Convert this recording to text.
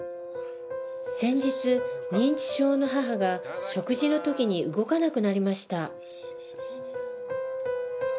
先日認知症の母が食事の時に動かなくなりました